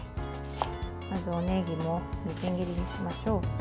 まず、おねぎもみじん切りにしましょう。